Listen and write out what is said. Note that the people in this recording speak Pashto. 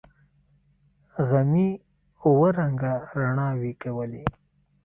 غمي اوه رنگه رڼاوې کولې.